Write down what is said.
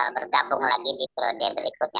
bergabung lagi di periode berikutnya